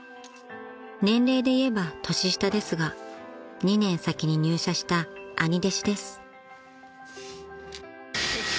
［年齢でいえば年下ですが２年先に入社した兄弟子です］